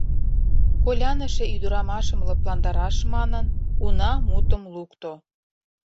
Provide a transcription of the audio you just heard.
— Коляныше ӱдырамашым лыпландараш манын, уна мутым лукто.